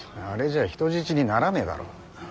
あれじゃ人質にならねえだろ。